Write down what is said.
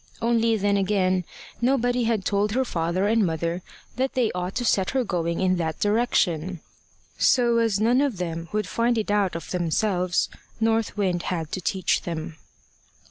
Only then again, nobody had told her father and mother that they ought to set her going in that direction. So as none of them would find it out of themselves, North Wind had to teach them.